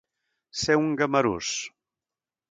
Ser un gamarús.